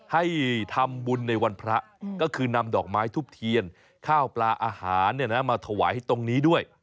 ให้ทำบุญในวันพระก็คือนำดอกไม้ทุบเทียนข้าวปลาอาหารมาถวายให้ตรงนี้ด้วย